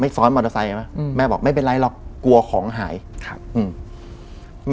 ซ้อนมอเตอร์ไซค์ใช่ไหมอืมแม่บอกไม่เป็นไรหรอกกลัวของหายครับอืม